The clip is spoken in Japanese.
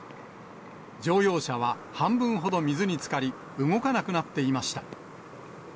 乗用車は半分ほど水につかり、動かなくなっていました。